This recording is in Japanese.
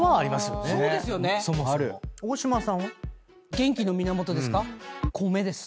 元気の源ですか？